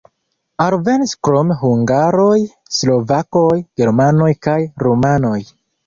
Alvenis krom hungaroj slovakoj, germanoj kaj rumanoj.